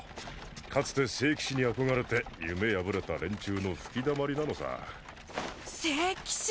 かつて聖騎士に憧れて夢破れた連中の吹きだまりなのさせいきし！？